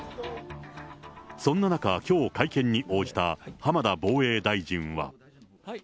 そんな中、きょう会見に応じた浜田防衛大臣は。